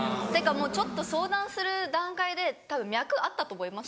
ちょっと相談する段階でたぶん脈あったと思います。